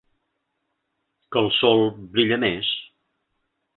Que el sol brilla més.